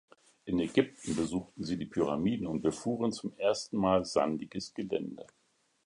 In Ägypten besuchten sie die Pyramiden und befuhren zum ersten Mal sandiges Gelände.